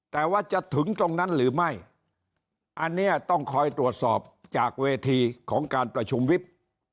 แต่ว่าจะถึงตรงนั้นหรือไม่อันนี้ต้องคอยตรวจสอบจากเวทีของการประชุมวิบ